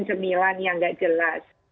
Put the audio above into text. cemilan yang nggak jelas